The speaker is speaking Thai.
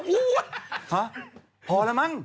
พอแล้วมั้ง